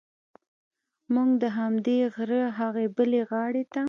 موږ د همدې غره هغې بلې غاړې ته.